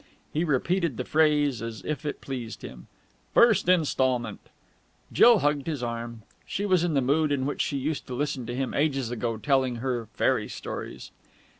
'" He repeated the phrase, as if it pleased him. "First Instalment!" Jill hugged his arm. She was in the mood in which she used to listen to him ages ago telling her fairy stories.